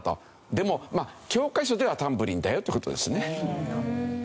でも教科書ではタンブリンだよって事ですね。